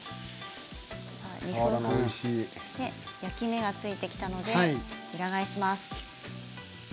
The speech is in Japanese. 焼き目がついてきたので裏返します。